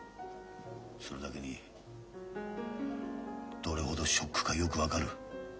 それだけにどれほどショックかよく分かる。